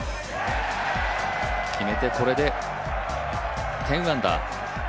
決めてこれで１０アンダー。